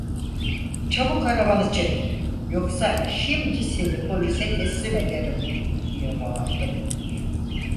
Çabuk arabanı çek, yoksa şimdi seni polise teslim ederim! diye bağırdı.